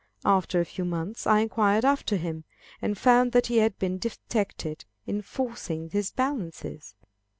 After a few months, I inquired after him, and found that he had been detected in forcing his balances!